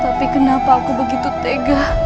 tapi kenapa aku begitu tega